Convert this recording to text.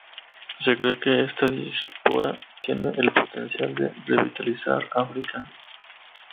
Se cree que esta diáspora tiene el potencial de revitalizar África.